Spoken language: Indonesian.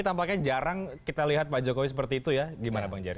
tampaknya jarang kita lihat pak jokowi seperti itu ya gimana bang jerry